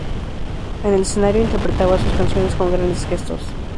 En el escenario interpretaba sus canciones con grandes gestos.